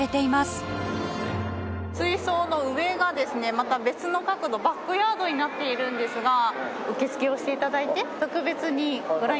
水槽の上がですねまた別の角度バックヤードになっているんですが受け付けをして頂いて特別にご覧頂く事ができるんですが。